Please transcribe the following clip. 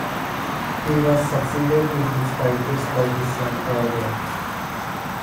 He was succeeded in his titles by his son, Arthur.